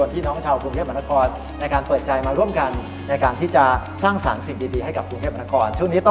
พระครู่เทพมหาคอลท่านรองสานวนหวังสร้างบุญด้วย